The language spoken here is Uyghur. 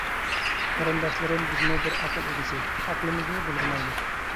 قېرىنداشلىرىم بىزمۇ بىر ئەقىل ئىگىسى، ئەقلىمىزنى بۇلغىمايلى.